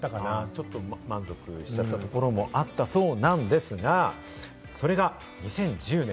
ちょっと満足しちゃった部分はあったということなんですが、それが２０１０年。